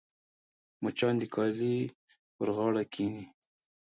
مچان د کالي پر غاړه کښېني